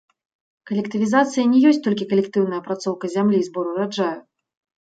Калектывізацыя не ёсць толькі калектыўная апрацоўка зямлі і збор ураджаю.